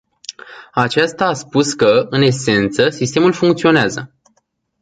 Acesta a spus că, în esență, sistemul funcționează.